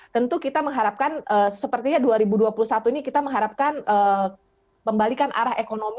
tentu kita mengharapkan sepertinya dua ribu dua puluh satu ini kita mengharapkan pembalikan arah ekonomi